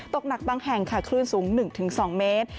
หนักบางแห่งค่ะคลื่นสูง๑๒เมตร